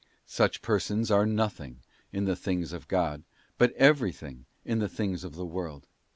Such persons are nothing in the things of God, but every thing in the things of the world.